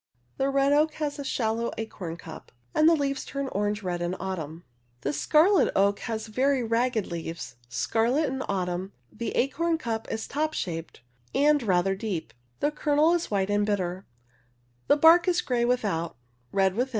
The red oak has a shallow acorn cup, and the leaves turn orange red in autumn (Fig. 13, d, and Fig. 14). 66 The scarlet oak has very ragged leaves, scarlet in autumn, the acorn cup is top shaped, and rather deep; the kernel is white and bitter; the bark is gray without, red within (Fig.